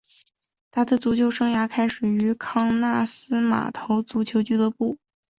他的足球生涯开始于康纳斯码头足球俱乐部。